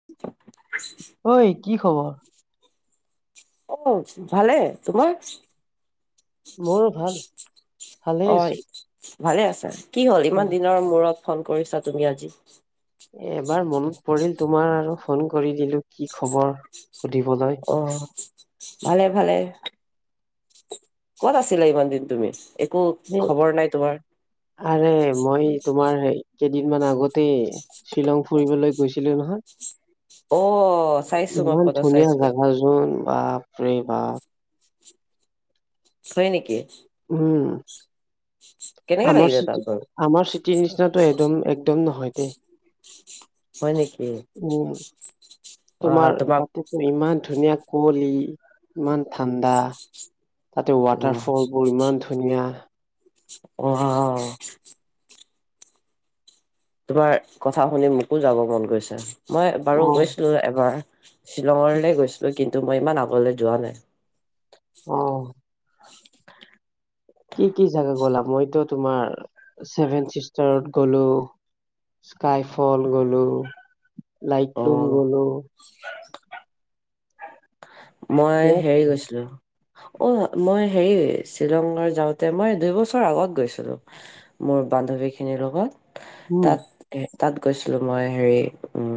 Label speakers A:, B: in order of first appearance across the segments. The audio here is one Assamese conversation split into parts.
A: [inaudible]
B: ঐ, কি খবৰ?
A: অঁ ভালে তোমাৰ?
B: মোৰো ভাল
A: অ
B: ভালেই আছো।
A: ভালে আছা, কি হ'ল ইমান
B: উম
A: দিনৰ মূৰত ফোন কৰিছা তুমি আজি?
B: এ এবাৰ মনত পৰিল তোমাৰ আৰু ফোন কৰি দিলো কি খবৰ সুধিবলৈ।
A: অঁ, ভালে, ভালে। ক'ত আছিলা ইমান দিন তুমি? একো খবৰ
B: [unintelligible]
A: নাই তোমাৰ
B: আৰে মই তোমাৰ হেই কেইদিনমান আগত -এ -শ্বিলং ফুৰিবলৈ গৈছিলো নহয়।
A: অঁ চাইছো মই ফ'টো চাইছো।
B: উম, বাপৰে বাপ।
A: হয় নেকি।
B: উম আমাৰ [unintelligible]
A: কেনেকে লাগিলে তাত বাৰু
B: আমাৰ চিটিৰ নিচিনাটো একদম, একদম নহয় দেই।
A: হয় নেকি?
B: উম
A: অ
B: তোমাৰ
A: তোমাক
B: ইমান ধুনীয়া কুঁৱলী ইমান ঠাণ্ডা। তাতে
A: অ
B: ৱাটাৰ ফল বোৰ ইমান ধুনীয়া।
A: অৱাও। তোমাৰ কথা শুনি মোকো যাব মন গৈছে মই বাৰু
B: অ
A: গৈছিলোঁ এবাৰ শ্বিলঙলৈ গৈছিলোঁ কিন্তু মই ইমান আগলৈ যোৱা নাই।
B: অ', কি, কি জাগা গ'লা মইতো তোমাৰ ছেভেন চিষ্টাৰত গ'লো স্কাই ফল গ'লোঁ,
A: অ
B: লাইটলুম গ'লোঁ
A: মই
B: বিৰাট
A: হেৰি গৈছলো অ' মই হেৰি শ্বিলঙৰ যাওঁতে মই দুইবছৰ আগত গৈছিলো। মোৰ বান্ধৱী খিনিৰ লগত
B: উম
A: তাত তাত গৈছলো মই হেৰি উম,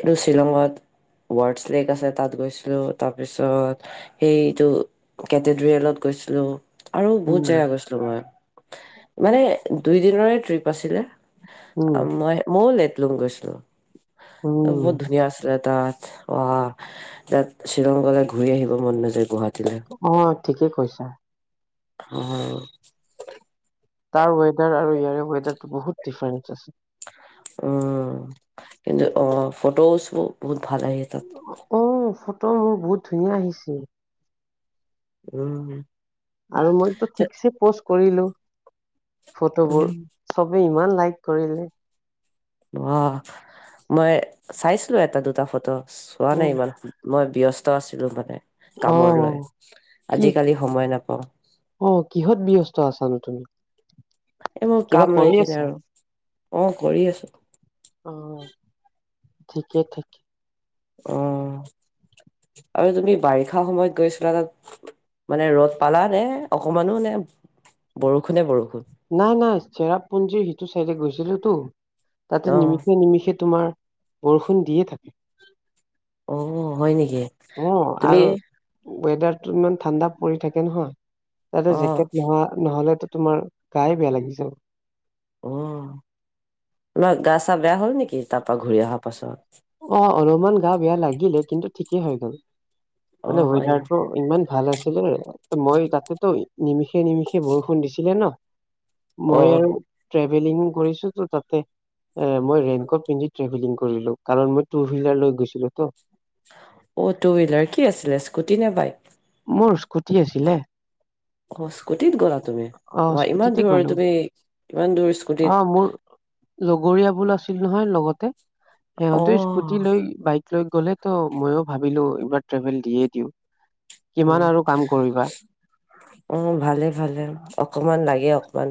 A: এইটো শ্বিলঙত ৱাৰ্ডছ লেক আছে তাত গৈছোঁ। তাৰপিছত সেইটো কেটেড্ৰিয়েলত গৈছলো আৰু বহুত
B: উম
A: জেগা গৈছলো মই মানে দুইদিনৰে ট্ৰিপ আছিলে।
B: উম
A: অ'মই ময়ও লেটলুং গৈছলো
B: উম
A: বহুত ধুনীয়া আছিলে। তাত অ' তাত শ্বিলং গলে ঘূৰি আহিব মন নাযায় গোহাটীলে।
B: অ' ঠিকে কৈছা।
A: অ',
B: তাৰ ৱেডাৰ আৰু ইয়াৰে ৱেডাৰতো বহুত ডিফাৰেন্ঞ্চ আছে।
A: অ' কিন্তু অ' ফটোজ বোৰ বহুত ভাল আহে তাত।
B: অ' ফটো মোৰ বহুত ধুনীয়া আহিছিল।
A: উম,
B: আৰু মইতো
A: তে-
B: ঠিকছে প'ষ্ট
A: উম
B: ফটোবোৰ। চবে ইমান লাইক কৰিলে।
A: [unintelligible] মই চাইছিলো এটা, দুটা ফটো চোৱা
B: উ
A: নাই ইমান। মই ব্যস্ত আছিলো মানে
B: অ
A: কামৰ লৈ
B: কি
A: আজিকালি সময় নাপাওঁ।
B: অ' কিহত ব্যস্ত আছানো তুমি?
A: এ মই
B: কিবা
A: কাম
B: কৰি
A: লৈকেনে
B: আছা
A: আৰু অ' কৰি আছো।
B: অ'ঠিকে, ঠিকে।
A: অ' আৰু তুমি বাৰিষা সময়ত গৈছিলা তাত? মানে ৰ'দ পালা নে অকমানো নে বৰষুনে বৰষুণ?
B: নাই, নাই চেৰাপুঞ্জীৰ সিটো চাইডে গৈছিলো তো তাতে
A: অ
B: নিমিষে, নিমিষে তোমাৰ বৰষুণ দিয়ে থাকে
A: অ হয় নেকি
B: অ'
A: তুমি
B: আৰু ৱেডাৰতো ইমান ঠাণ্ডা পৰি থাকে নহয় তাতে
A: অ
B: জেকেট নোহোৱা নহলেতো তোমাৰ গাই বেয়া লাগি যাব।
A: অ'নহয় গা চা বেয়া হ'ল নেকি তাৰ পা ঘূৰি আহা পাছত?
B: অ' অলপমান গা বেয়া লাগিলে কিন্তু ঠিকেই হৈ গ'ল।
A: অ
B: মানে
A: হয় নেকি
B: ৱেডাৰটো ইমান ভাল আছিলে ত'মই তাতেতো নিমিষে, নিমিষে বৰষুণ দিছিলে ন' মই
A: অ
B: আৰু ট্ৰেভেলিং কৰিছো তো তাতে এ মই ৰেইনকোট পিন্ধি ট্ৰেভেলিং কৰিলো। কাৰণ মই টু হুইলাৰ লৈ গৈছিলো তো
A: অ' টু হুইলাৰ কি আছিলে স্কুটি নে বাই
B: মোৰ স্কুটি আছিলে।
A: অ' স্কুটিত গ'লা তুমি অ' ইমান
B: স্কুটিতে
A: দূৰৈ
B: গ'লো
A: তুমি ইমান দূৰ স্কুটিত
B: লগৰীয়া বোল আছিল নহয় লগতে সিহঁতেও
A: অ',
B: স্কুটি লৈ বাইক লৈ গ'লে তো মইয় ভাবিলো এইবাৰ ট্ৰেভেল দিয়ে দিওঁ। কিমান
A: উম,
B: আৰু কাম কৰিবা
A: উম, ভালে ভালে। অকমান লাগে অকমান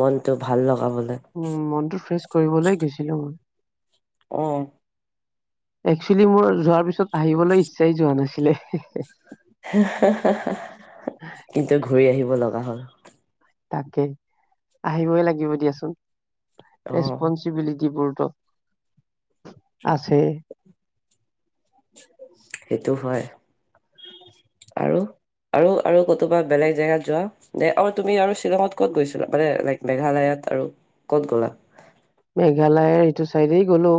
A: মনটো ভাল লগাবলৈ।
B: উম, মনতটো ফ্ৰেচ কৰিবলৈ গৈছিলো।
A: অ'।
B: একচুৱেলি মোৰ যোৱাৰ পিছত আহিবলৈ ইচ্ছাই যোৱা নাছিলে।
A: [unintelligible] কিন্তু ঘূৰি আহিব লগা হ'ল।
B: তাকে, আহিবই লাগিব দিয়াচোন।
A: অ',
B: ৰেচপনচিবিলিটিবোৰতো আছেই।
A: সেইটো হয়। আৰু আৰু আৰু কতোবা বেলেগ জেগাত যোৱা দে! অ', তুমি আৰু শ্বিলঙত ক'ত গৈছিলা? মানে লাইক মেঘালয়ত আৰু ক'ত গ'লা?
B: মেঘালয়ৰ ইটো চাইডেই গ'লো।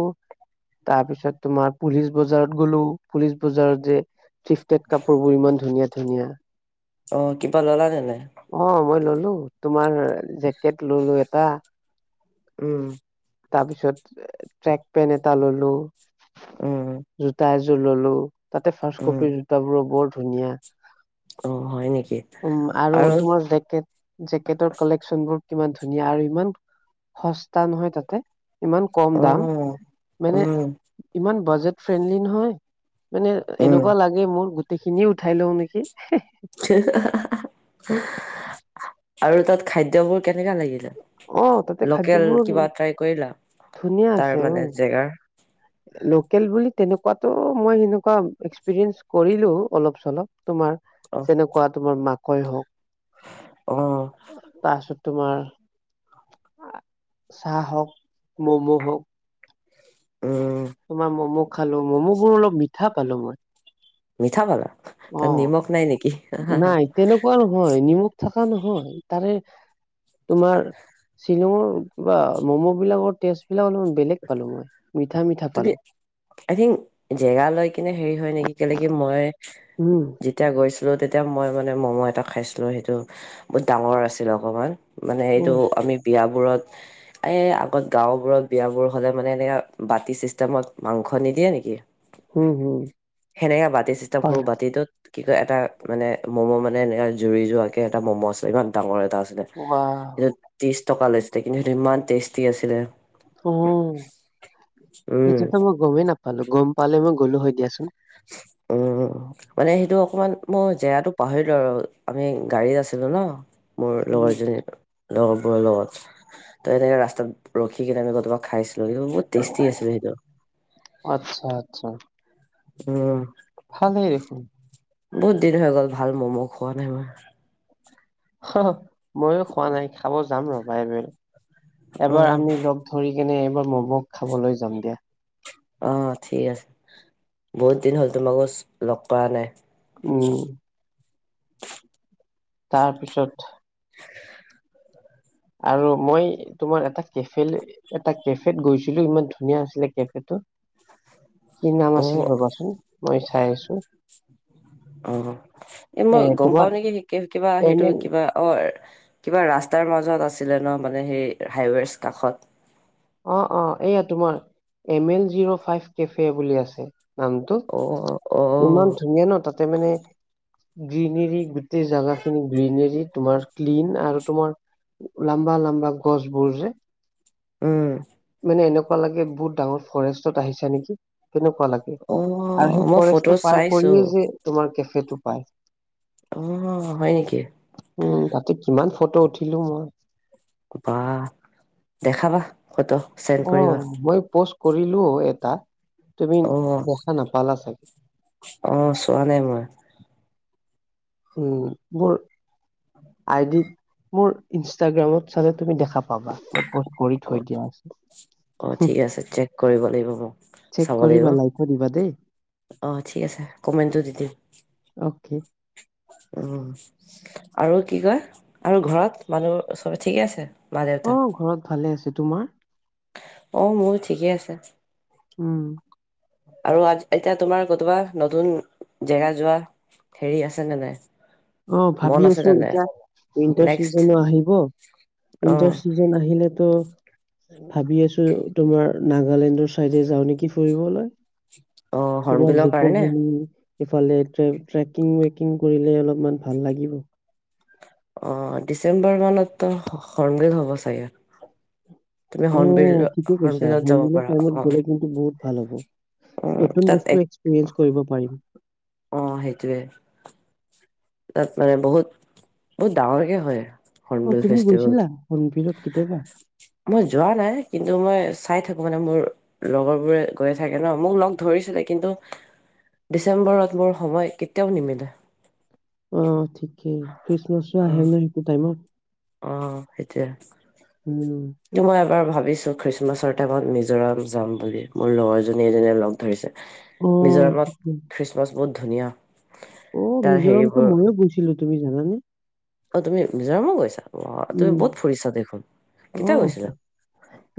B: তাৰপিছত তোমাৰ পুলিচ বজাৰত গ'লো। পুলিচ বজাৰত যে থিফটেড কাপোৰবোৰ ইমান ধুনীয়া-ধুনীয়া।
A: অ', কিবা ল'লা নে নাই?
B: অ', মই ল'লো। তোমাৰ জেকেট ল'লো এটা
A: উম।
B: তাৰপিছত ট্ৰেক পেন্ট এটা ল'লো,
A: উম,
B: জোতা এযোৰ ল'লো তাতে ফাৰ্ষ্ট
A: উম,
B: কপিৰ জোতাবোৰো বৰ ধুনীয়া।
A: অ', হয় নেকি?
B: উম, আৰু তোমাৰ জেকেট জেকেটৰ কালেকচনবোৰ কিমান ধুনীয়া আৰু ইমান সস্তা নহয় তাত তে। ইমান কম দাম,
A: অ',
B: মানে
A: উম,
B: ইমান বাজেট ফ্ৰেণ্ডলি নহয় মানে
A: উম,
B: এনেকুৱা লাগে মোৰ গো গোটেইখিনি উঠাই লওঁ নেকি!
A: [unintelligible] আৰু তাত খাদ্যবোৰ কেনেকা লাগিলে?
B: অ তাতে
A: লোকেল
B: খাদ্যবোৰ
A: কিবা ট্ৰাই কৰিলা?
B: ধুনীয়া আছে
A: তাৰ
B: অ
A: মানে জেগাৰ
B: লোকেল বুলি তেনেকুৱাতো মই সেনেকুৱা এক্সপিৰিয়েঞ্চ কৰিলো অলপ-চলপ। তোমাৰ,
A: অ,
B: যেনেকুৱা তোমাৰ মাকৈ
A: অ,
B: হওঁক তাৰপিছত তোমাৰ চাহ হওওক, ম'ম' হওঁক
A: উম।
B: তোমাৰ ম'ম' খালোঁ। ম'ম' বোৰ অলপ মিঠা পালো মই।
A: মিঠা পালা? তাত
B: অ',
A: নিমখ নাই নেকি?
B: নাই, তেনেকুৱা নহয়। নিমখ থকা নহয় তাৰে তোমাৰ শ্বিলঙৰ কিবা ম'ম' বিলাকৰ টেষ্ট বিলাক অলপ বেলেগ পালো মই, মিঠা-মিঠা
A: তুমি
B: পালো।
A: আই থিংক জেগা লৈ কিনে হেৰি হয় নেকি? তেনেকে মই
B: উম।
A: যেতিয়া গৈছিলো তেতিয়া মই মানে ম'ম' এটা খাইছিলোঁ, সেইটো বহুত ডাঙৰ আছিল অকণমান। মানে এইটো
B: উম
A: আমি বিয়াবোৰত, এ আগত গাওঁবোৰত বিয়াবোৰ হ'লে মানে এনেকা বাতি চিষ্টেমত মাংস নিদিয়ে নেকি?
B: হম হম
A: সেনেকে বাতি চিষ্টেম, সৰু
B: হয়
A: বাতিটোত কি কয় এটা মানে ম'ম' মানে এনে জুৰি যোৱ কে এটা ম'ম' আছে ইমান ডাঙৰ এটা
B: ৱাহ
A: ত্ৰিশ টকা লৈছিলে, কিন্তু সেইটো ইমান টেষ্টি আছিলে।
B: অ',
A: উম
B: সেইটোতো মই গমেই নাপালো, গম পালে মই গ'লো হয় দিয়াচোন।
A: অ'। মানে সেইটো অকমান, মই জেগাটো পাহৰিলো আৰু আমি গাড়ীত আছিলো ন। মোৰ
B: উম
A: লগৰজনী লগৰবোৰৰ লগত, ত' এনেকে ৰখি কিনে আমি কৰতোবা খাইছিলো, বহুত তেষ্টি আছিলে সেইটো।
B: অ', আত্ছা, আত্ছা।
A: অ'।
B: ভালেই দেখোন।
A: বহুত দিন হৈ গ'ল, ভাল ম'ম' খোৱা নাই মই।
B: ময়ো খোৱা নাই, খাব যাম ৰবা, এব, এবাৰ
A: উম
B: আমি লগ ধৰি কিনি, এইবাৰ ম'ম' খাবলৈ যাম দিয়া।
A: অ', ঠিক আছে, বহুত দিন হ'ল, তোমাকো লগ কৰা নাই।
B: উম। তাৰ পিছত।
A: [unintelligible]
B: আৰু মই তোমাৰ এটা কেফেলৈ এটা কেফেত গৈছিলো, ইমান ধুনীয়া আছিলে কেফেটো। কি নাম
A: অ
B: আছিল ৰবাচোন, মই চাই আছো।
A: অ', এ, মই গম পাও নেকি, কে- কিবা,
B: এম
A: সেইটো
B: এল
A: কিবা অ', কিবা ৰাস্তাৰ মাজত আছিলে ন', মানে হেই হাইৱেজ কাষত।
B: অ' অ', এইয়া তোমাৰ, M L zero five cafe বুলি আছে নামটো।
A: অ' অ'।
B: ইমান ধুনীয়া ন' তাতে মানে গ্ৰীনেৰী গোটেই জেগা খিনি গ্ৰীনেৰি তোমাৰ ক্লিন আৰু তোমাৰ লম্বা, লম্বা গছবোৰ যে।
A: উম,
B: মানে এনেকুৱা লাগে বহুত ডাঙৰ ফৰেষ্টত আহিছা নেকি, তেনেকুৱা লাগে। আৰু
A: অ',
B: সেই
A: মই ফটো
B: ফৰেষ্টটো পাৰ
A: চাইছো
B: কৰিয়ে যে তোমাৰ কেফেটো পায়।
A: অ', হয় নেকি?
B: উম, তাতে কিমান ফটো উঠিলো মই।
A: বা দেখাবা ফটো। চেণ্ড কৰিবা
B: অ', মই পোষ্ট কৰিলো এটা, তুমি
A: অ',
B: দেখা নাপালা চাগে।
A: অ', চোৱা নাই মই।
B: উম, মোৰ আইডিত, মোৰ ইনষ্টাগ্ৰামত চালে তুমি দেখা পাবা। মই পষ্ট কৰি থৈ
A: অ',
B: দিয়া আছে।
A: অ', ঠিক আছে, চেক কৰিব লাগিব, মই
B: চেক
A: চাব লাগিব।
B: কৰিবা লাইকো দিবা দেই।
A: অ' ঠিক আছে, কমেণ্টটো দি দিম।
B: অকেই।
A: উম, আৰু কি কয়, আৰু ঘৰত মানুহ চ'বে ঠিকে আছে? মা দেউতা
B: অ', ঘৰত ভালে আছে, তোমাৰ?
A: অ', মোৰো ঠিকেই আছে।
B: উম।
A: আৰু আ, এতিয়া তোমাৰ কতবা নতুন জেগা যোৱা। হেৰি আছেনে নাই?
B: অ',
A: মন
B: ভাবি
A: আছে
B: আছো
A: নে নাই
B: এতিয়া, উইন্টাৰ
A: নেক্সট
B: চিজনো আহিব,
A: অ
B: উইন্টাৰ চিজন চিজন আহিলেটো। ভাবি আছো তোমাৰ, নাগালেণ্ডৰ চাইডে যাওঁ নেকি ফুৰিবলৈ।
A: অ
B: তোমাৰ
A: হৰ্ণবিলৰ
B: জু'ক
A: কাৰণে
B: ভেলি। ইফালে ট্ৰে, ট্ৰেকিং ৱেকিং কৰিলে অলপমান ভাল লাগিব।
A: অ', ডিচেম্বৰ মানত ত' হৰ্ণবিল হব চাগে। তুমি হৰ্ণবিল
B: উম' ঠিকে কৈছা,
A: হৰ্ণবিলত যাব
B: হৰ্ণবিলৰ
A: পাৰা
B: টাইমত
A: অ
B: গ'লে কিন্তু বহুত ভাল হ'ব।
A: উম
B: নতুন
A: তাত এক
B: বস্তু এক্সপিৰিয়েঞ্চ কৰিব পাৰিম।
A: অ' সেইটোৱে। তাত মানে বহুত, বহুত ডাঙৰকে হয়।
B: অ'
A: হৰ্ণবিল
B: তুমি
A: ফেষ্টিভেলটো
B: গৈছিলা, হৰ্ণবিলত কেতিয়াবা?
A: মই যোৱা নাই, কিন্তু মই চাই থাকো মানে মোৰ লগৰবোৰে গৈ থাকে ন, মোক লগ ধৰিছিলে কিন্তু ডিচেম্বৰত মোৰ সময় কেতিয়াও নিমিলে।
B: অ' ঠিকেই, খ্ৰীষ্টমাছো
A: অ
B: আহে ন সেইটো টাইমত।
A: অ' সেইটোয়ে।
B: উম
A: কিন্তু মই এবাৰ ভাবিছো, খ্ৰীষ্টমাছৰ টাইমত মিজোৰাম যাম বুলি, মোৰ লগৰ জনী এজনীয়ে লগ ধৰিছে।
B: অ
A: মিজোৰামত
B: ঠিকে
A: খ্ৰীষ্টমাছ বহুত ধুনীয়া।
B: অ'
A: তাৰ
B: মিজোৰামটো
A: হেৰিবোৰ
B: ময়ো গৈছিলো, তুমি জানানে?
A: অ' তুমি মিজোৰামো গৈছা? অ' তুমি
B: উম
A: বহুত ফুৰিছা দেখোন,
B: অ
A: কেতিয়া গৈছিলা?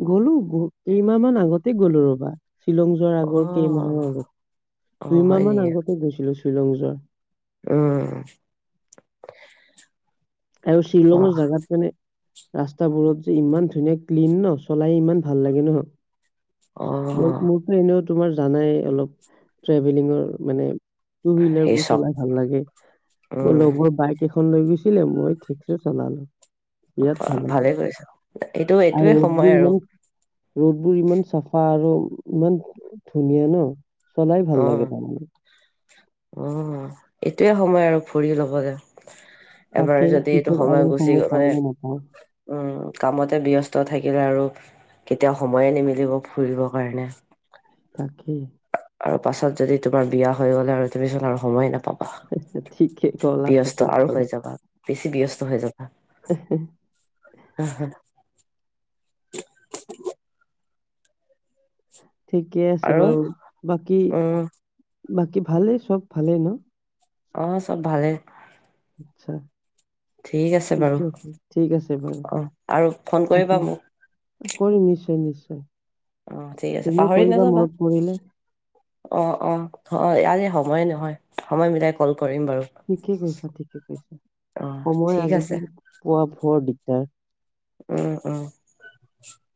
B: গ'লো বহুত, কেইমাহ মান আগতে গ'লো ৰ'বা। শ্বিলং যোৱাৰ
A: অ
B: আগৰ কেইমাহৰ আগত,
A: অ
B: দুইমাহ
A: হয়
B: মান আগতে গৈছিলো শ্বিলং যোৱাৰ।
A: অ'।
B: আৰু শ্বিলংৰ জাগাত মানে। ৰাস্তাবোৰত যে ইমান ধুনীয়া ক্লিন ন, চলাই ইমান ভাল লাগে ন।
A: অ
B: মো মোৰটো এনেও তোমাৰ জানাই অলপ ট্ৰেভেলিঙৰ মানে টু
A: সেই
B: হুইলাৰবোৰ
A: চক
B: চলাই ভাল লাগে। মোৰ
A: উম
B: লগৰ বাইক এখ খন লৈ গৈছিলে, মই ঠিকছে চলালো বিৰাট
A: ৱাহ,
B: ভাল
A: ভালে
B: লাগিল।
A: কৰিছা এইটো এইটোয়ে
B: আৰু
A: সময়
B: ৰ'দবোৰ
A: আৰু
B: ইমান ৰ'দবোৰ ইমান চাফা আৰু ইমান ধুনীয়া ন, চলাই
A: অ
B: ভাল লাগে তাৰমানে।
A: অ' এইটোয়ে সময় আৰু ফুৰি ল'বলে। এবাৰ
B: তাকে
A: যদি এইটো
B: পিছত
A: সময়
B: আৰু
A: গুচি
B: পাও
A: গ'লে।
B: নে নাপাও
A: উম' কামতে ব্যস্ত থাকিলে আৰু কেতিয়াও সময়ে নিমিলিব ফুৰিব কাৰণে।
B: তাকে।
A: আৰু পাছত যদি তোমাৰ বিয়া হৈ গ'লে আৰু তুমিচোন সময়ে নাপা
B: ঠিকে কলা ঠিকে
A: ব্যস্ত আৰু
B: কলা
A: হৈ যাবা, বেছি ব্যস্ত হৈ যাবা। [unintelligible]
B: ঠিকে আছে
A: আৰু
B: বাৰু। বাকী,
A: উম
B: বাকী ভালেই চব ভালেই ন?
A: অ' চব ভালে।
B: আচ্ছা।
A: ঠিক আছে বাৰু
B: ঠিকে আছে, ঠিক আছে বাৰু,
A: অ আৰু ফোন কৰিবা
B: থাকিব।
A: মোক
B: কৰিম নিশ্চয়, নিশ্চয়।
A: অ ঠিক আছে
B: তুমিও
A: পাহৰি
B: কৰিবা
A: নাযাবা
B: মনত পৰিলে।
A: অ' অ' হয়, আজি সময়ে নহয়, সময় মিলাই কল কৰিম বাৰু।
B: ঠিকে কৈছা, ঠিকে কৈছা।
A: অ
B: সময়
A: ঠিক আছে
B: আজিকালি পোৱা বৰ দিগদাৰ।
A: অ' অ'।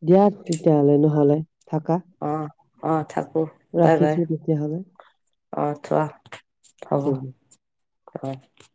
B: দিয়াত তেতিয়াহলে নহলে থাকা।
A: অ', অ', থাকো। বাই, বাই,
B: ৰাখিছো তেতিয়াহলে
A: অ', থোৱা হ'ব।
B: ঠিক আছে।
A: [unintelligible]